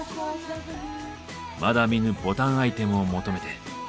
まだ見ぬボタンアイテムを求めて。